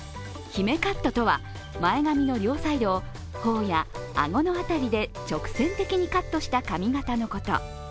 姫カットとは、前髪の両サイドを頬や顎の辺りで直線的にカットした髪型のこと。